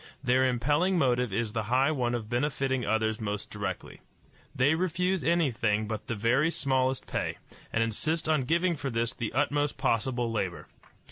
Their impelling motive is the high one of benefiting others most directly. They refuse anything but the very smallest pay, and insist on giving for this the utmost possible labor.